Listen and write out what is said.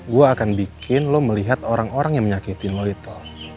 gue akan bikin lo melihat orang orang yang menyakitimu itu